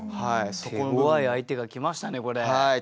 手ごわい相手が来ましたねこれ。